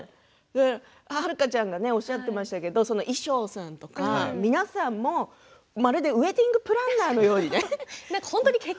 遥ちゃんがおっしゃってましたけれども衣装さんとか皆さんもまるでウエディングプランナーのようにね。